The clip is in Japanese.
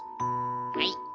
はい。